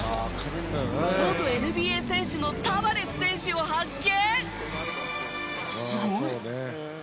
元ＮＢＡ選手のタバレス選手を発見。